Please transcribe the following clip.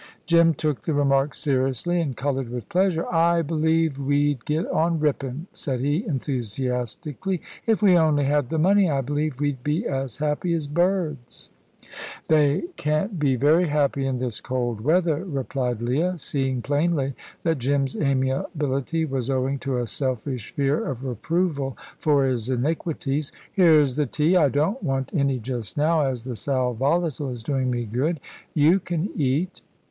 Jim took the remark seriously, and coloured with pleasure. "I believe we'd get on rippin'," said he, enthusiastically. "If we only had the money I believe we'd be as happy as birds." "They can't be very happy in this cold weather," replied Leah, seeing plainly that Jim's amiability was owing to a selfish fear of reproval for his iniquities. "Here's the tea. I don't want any just now, as the sal volatile is doing me good. You can eat."